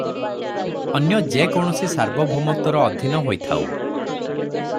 ଅନ୍ୟ ଯେ କୌଣସି ସାର୍ବଭୌମତ୍ତ୍ୱର ଅଧୀନ ହୋଇଥାଉ ।